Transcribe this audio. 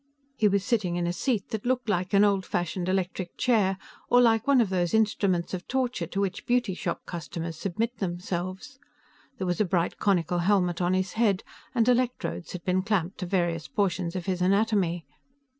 He was sitting in a seat that looked like an old fashioned electric chair, or like one of those instruments of torture to which beauty shop customers submit themselves. There was a bright conical helmet on his head, and electrodes had been clamped to various portions of his anatomy.